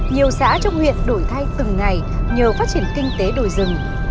nhiều xã trong huyện đổi thay từng ngày nhờ phát triển kinh tế đồi rừng